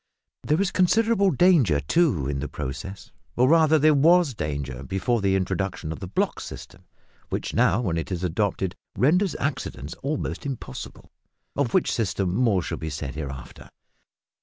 There is considerable danger, too, in the process, or rather there was danger before the introduction of the "block system," which now, when it is adopted, renders accidents almost impossible, of which system more shall be said hereafter.